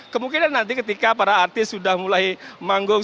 kemungkinan nanti ketika para artis sudah mulai manggung